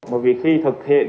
bởi vì khi thực hiện